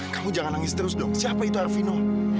kamu jangan nangis terus dong siapa itu arvino